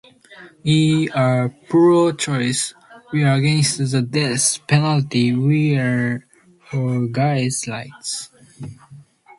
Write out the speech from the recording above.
We are pro-choice; we're against the death penalty; we're for gay rights.